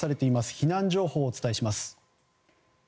避難情報をお伝えします。